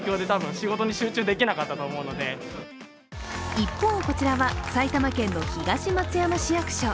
一方、こちらは埼玉県の東松山市役所。